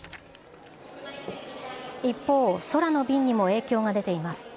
一方、空の便にも影響が出ています。